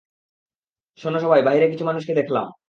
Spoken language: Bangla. শোনো সবাই, বাহিরে কিছু মানুষকে দেখলাম!